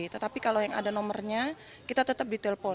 tetapi kalau yang ada nomornya kita tetap ditelepon